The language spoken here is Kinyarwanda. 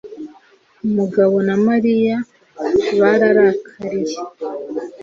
Mugabo na Mariya bararakariye.